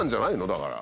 だから。